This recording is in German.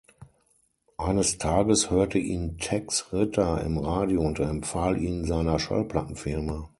Eines Tages hörte ihn Tex Ritter im Radio und empfahl ihn seiner Schallplattenfirma.